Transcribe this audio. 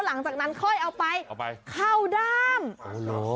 หลังจากนั้นค่อยเอาไปเอาไปเข้าด้ามอ๋อเหรอ